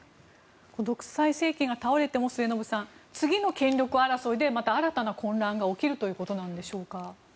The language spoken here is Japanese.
独裁政権が倒れても末延さん、次の権力争いでまた新たな混乱が起きるということなんでしょうか。